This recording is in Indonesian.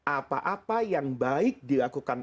apa apa yang baik dilakukan